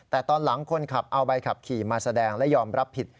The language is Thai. แต่ตอนหลังคนขับเอาใบขับขี่มาแสดงและยอมรับผิด